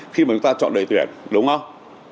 khi mà người ta chọn đội tuyển đúng không